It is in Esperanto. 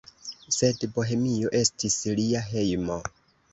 Sed Bohemio estis lia hejmo.